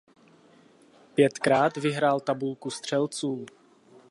Pětkrát vyhrál tabulku střelců.